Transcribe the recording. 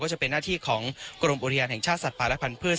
จะเป็นหน้าที่ของกรมอุทยานแห่งชาติสัตว์ป่าและพันธุ์